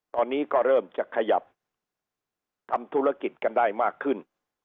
ตอนนี้ก็เริ่มจะขยับทำธุรกิจกันได้มากขึ้น